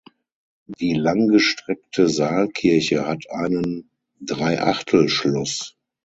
Die langgestreckte Saalkirche hat einen Dreiachtelschluss.